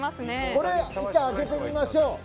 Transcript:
これ、開けてみましょう。